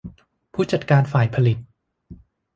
ผู้จัดการฝ่ายผลิต